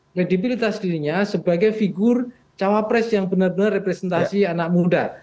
kredibilitas dirinya sebagai figur cawapres yang benar benar representasi anak muda